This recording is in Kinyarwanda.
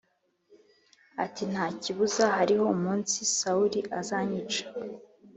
ati “nta kibuza, hariho umunsi sawuli azanyica